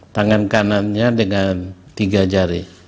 tangan kanannya dengan tiga jari